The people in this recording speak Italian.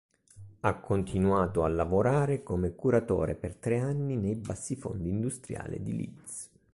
Ha continuato a lavorare come curatore per tre anni nei bassifondi industriali di Leeds.